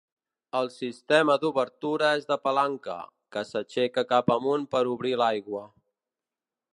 El sistema d'obertura és de palanca, que s'aixeca cap amunt per obrir l'aigua.